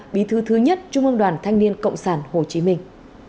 bí thư thứ nhất trung ương đoàn thanh niên cộng sản hồ chí minh